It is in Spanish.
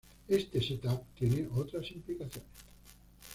Este setup tiene otras implicaciones.